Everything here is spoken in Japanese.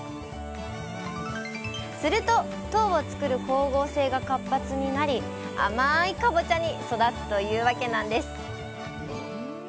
すると糖を作る光合成が活発になり甘いかぼちゃに育つというわけなんです